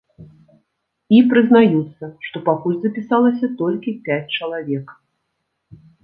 І прызнаюцца, што пакуль запісалася толькі пяць чалавек.